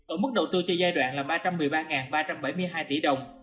ở mức đầu tư cho giai đoạn là ba trăm một mươi ba ba trăm bảy mươi hai tỷ đồng